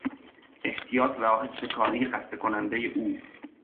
احتیاط و آهسته کاری خسته کنندهی او